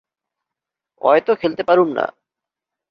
অয় তো খেলতে পারুম না।